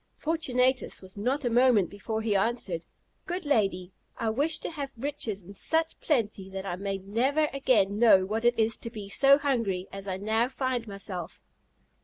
Fortunatus was not a moment before he answered: "Good lady, I wish to have riches in such plenty that I may never again know what it is to be so hungry as I now find myself."